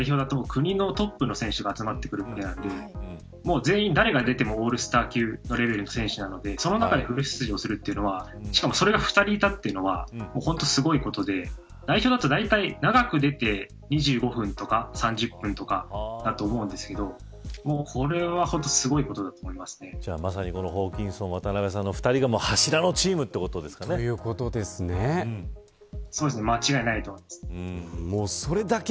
なんでかというと、特に代表だと国のトップの選手が集まってくるので全員誰が出てもオールスター級のレベルの選手なのでその中でフル出場するというのはしかもそれが２人いたというのはすごいことで代表だと、だいたい長く出て２５分とか３０分とかだと思うんですけどこれは本当にまさにホーキンソンさん渡辺さん２人の柱のチームとういうこと間違いないと思います。